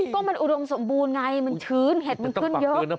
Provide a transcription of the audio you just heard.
ก็มันอุดมสมบูรณ์ไงมันชื้นเห็ดมันขึ้นเยอะ